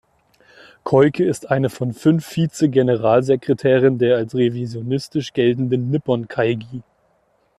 Koike ist eine von fünf Vize-Generalsekretären der als revisionistisch geltenden Nippon Kaigi.